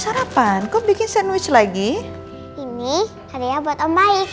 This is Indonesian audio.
seolah olah stuck will be lo